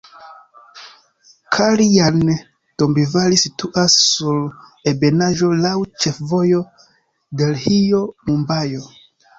Kaljan-Dombivali situas sur ebenaĵo laŭ ĉefvojo Delhio-Mumbajo.